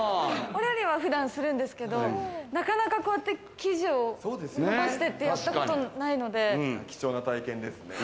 お料理は普段するんですけど、なかなかこうやって生地を伸ばしてってやったことないので。